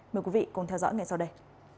mời quý vị cùng theo dõi ngay sau đây